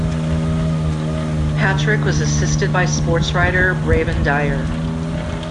Patrick was assisted by sportswriter Braven Dyer.